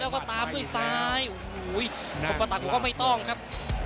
แล้วก็ตามด้วยซ้ายอุ้ยประตักก็ไม่ต้องครับ